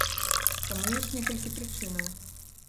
Таму ёсць некалькі прычынаў.